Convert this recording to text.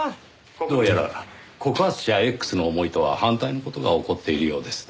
どうやら告発者Ｘの思いとは反対の事が起こっているようですねぇ。